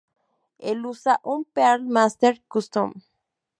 Él usa una Pearl Masters Custom.